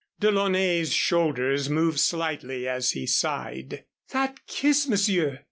DeLaunay's shoulders moved slightly as he sighed. "That kiss, Monsieur!